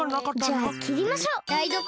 じゃあきりましょう。